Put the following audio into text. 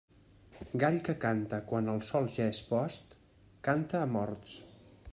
Gall que canta quan el sol ja és post, canta a morts.